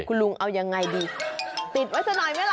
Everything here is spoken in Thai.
คุณลุงเอายังไงดีติดไว้ซะหน่อยไหมล่ะ